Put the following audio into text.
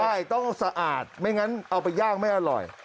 ใช่ต้องสะอาดไม่งั้นเอาไปย่างไม่อร่อย